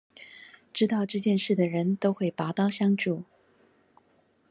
知道這件事的人都會拔刀相助